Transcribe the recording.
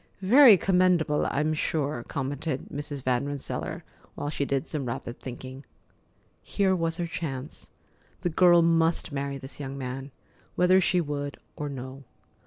"Very commendable, I'm sure," commented Mrs. Van Rensselaer, while she did some rapid thinking. Here was her chance. The girl must marry this young man, whether she would or no.